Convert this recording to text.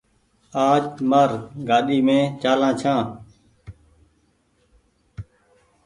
آج مآر گآڏي مين چآلآن ڇآن۔